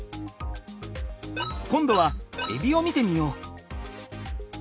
今度はえびを見てみよう。